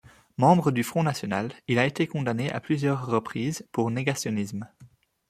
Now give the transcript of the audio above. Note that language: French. Membre du Front national, il a été condamné à plusieurs reprises pour négationnisme.